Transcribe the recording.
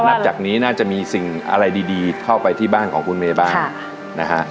นับจากนี้น่าจะมีสิ่งอะไรดีเข้าไปที่บ้านของคุณเมย์บ้างนะฮะ